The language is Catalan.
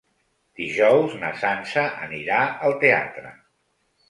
Dijous na Sança anirà al teatre.